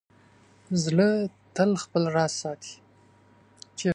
زړه تل خپل راز ساتي.